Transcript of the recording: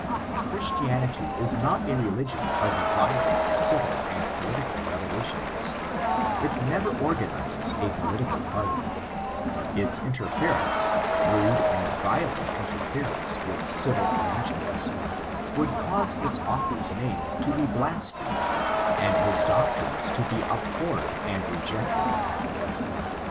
Christianity is not a religion I VliAMMi#MW%#«^i^i^^ ^^P^M#%^^«^ 1 / I :! 554 STRICTURES of violent ciyil and political revolationB : it never organizes a political party. Its interference— rude and violent interference with civil arrangements, would cause its author's name to be blasphemed, and his doctrines to be abhorred and rejected.